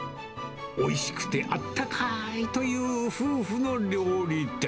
おいしくてあったかーいという夫婦の料理店。